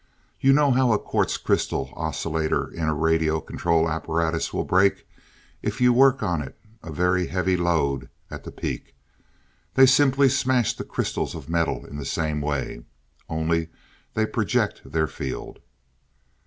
You know how a quartz crystal oscillator in a radio control apparatus will break, if you work it on a very heavy load at the peak? They simply smash the crystals of metal in the same way. Only they project their field."